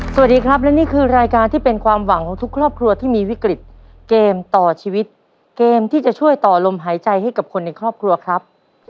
สวัสดีครับและนี่คือรายการที่เป็นความหวังของทุกครอบครัวที่มีวิกฤตเกมต่อชีวิตเกมที่จะช่วยต่อลมหายใจให้กับคนในครอบครัวครับ